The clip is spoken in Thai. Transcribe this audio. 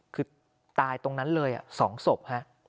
คือตายตรงนั้นเลย๒ศพ